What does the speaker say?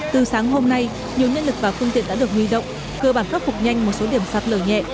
từ sáng hôm nay nhiều nhân lực và phương tiện đã được huy động cơ bản khắc phục nhanh một số điểm sạt lở nhẹ